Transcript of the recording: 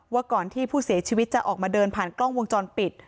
ก่อนที่ผู้เสียชีวิตจะออกมาเดินผ่านกล้องวงจรปิด